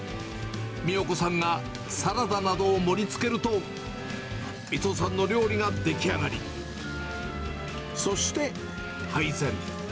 美代子さんがサラダなどを盛りつけると、光男さんの料理が出来上がり、そして配膳。